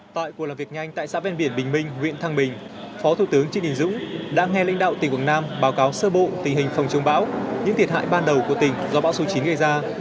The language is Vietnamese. tại cuộc làm việc nhanh tại xã ven biển bình minh huyện thăng bình phó thủ tướng trịnh đình dũng đã nghe lãnh đạo tỉnh quảng nam báo cáo sơ bộ tình hình phòng chống bão những thiệt hại ban đầu của tỉnh do bão số chín gây ra